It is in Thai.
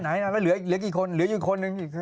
ไหนก็เหลือกี่คนเหลืออยู่คนหนึ่ง